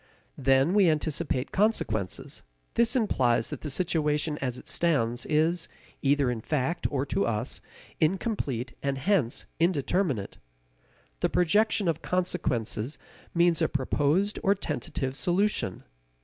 Then we anticipate consequences. This implies that the situation as it stands is, either in fact or to us, incomplete and hence indeterminate. The projection of consequences means a proposed or tentative solution.